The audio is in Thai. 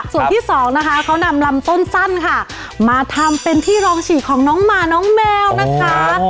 ส่วนที่สองนะคะเขานำลำต้นสั้นค่ะมาทำเป็นที่รองฉีกของน้องมาน้องแมวนะคะ